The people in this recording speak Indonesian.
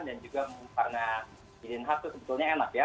dan juga karena di den haag itu sebetulnya enak ya